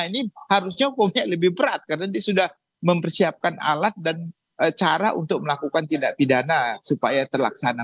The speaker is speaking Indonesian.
ini harusnya hukumnya lebih berat karena dia sudah mempersiapkan alat dan cara untuk melakukan tindak pidana supaya terlaksana